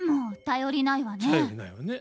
頼りないわね。